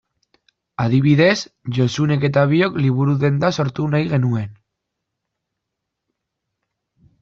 Adibidez, Josunek eta biok liburu-denda sortu nahi genuen.